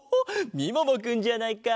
みももくんじゃないか。